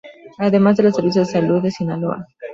Además de los servicios de Salud de Sinaloa.